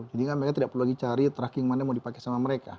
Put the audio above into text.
jadi kan mereka tidak perlu lagi cari tracking mana mau dipakai sama mereka